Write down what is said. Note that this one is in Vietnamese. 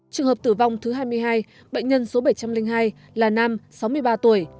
trường hợp tử vong thứ hai mươi hai bệnh nhân số bảy trăm linh hai là nam sáu mươi ba tuổi